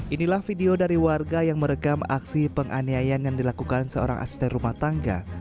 inilah video dari warga yang merekam aksi penganiayaan yang dilakukan seorang asisten rumah tangga